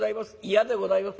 嫌でございます。